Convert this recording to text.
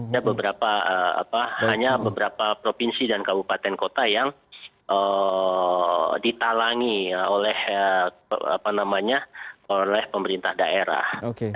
ada beberapa hanya beberapa provinsi dan kabupaten kota yang ditalangi oleh pemerintah daerah